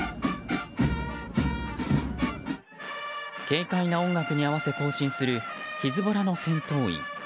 軽快な音楽に合わせ行進するヒズボラの戦闘員。